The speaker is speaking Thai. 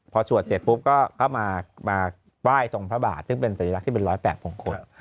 พอสวดเสร็จปุ๊บก็เข้ามาไหว้ตรงพระบาทซึ่งเป็นสัญลักษณ์ที่เป็น๑๐๘มงคล